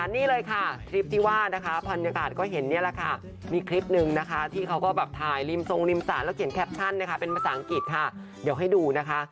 นี่เลยค่ะคลิปที่ว่านะคะบรรยากาศก็เห็นนี่แหละค่ะมีคลิปหนึ่งนะคะที่เขาก็แบบถ่ายริมทรงริมสารแล้วเขียนแคปชั่นนะคะเป็นภาษาอังกฤษค่ะเดี๋ยวให้ดูนะคะ